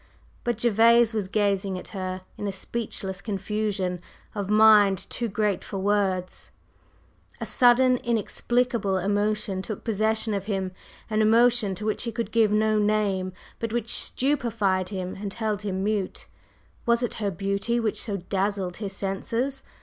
But Gervase was gazing at her in a speechless confusion of mind too great for words. A sudden, inexplicable emotion took possession of him, an emotion to which he could give no name, but which stupefied him and held him mute. Was it her beauty which so dazzled his senses?